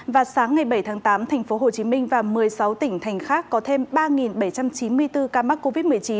và sáng ngày bảy tháng tám thành phố hồ chí minh và một mươi sáu tỉnh thành khác có thêm ba bảy trăm chín mươi bốn ca mắc covid một mươi chín